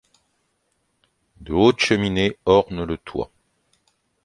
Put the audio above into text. De hautes cheminées ornent le toit.